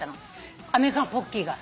アメリカのポッキーが。